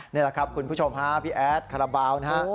นี่แหละครับคุณผู้ชมฮะพี่แอดคาราบาลนะฮะ